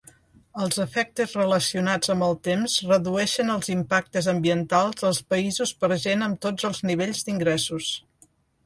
Els efectes relacionats amb el temps redueixen els impactes ambientals als països per a gent amb tots els nivells d'ingressos.